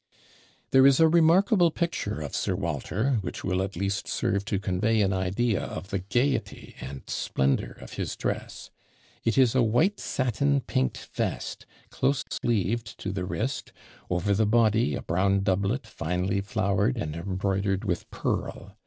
There is a remarkable picture of Sir Walter, which will at least serve to convey an idea of the gaiety and splendour of his dress. It is a white satin pinked vest, close sleeved to the wrist; over the body a brown doublet, finely flowered and embroidered with pearl.